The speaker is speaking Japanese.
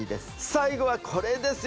最後はこれですよね